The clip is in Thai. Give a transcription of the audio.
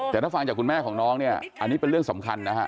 แต่ถ้าฟังจากคุณแม่ของน้องเนี่ยอันนี้เป็นเรื่องสำคัญนะฮะ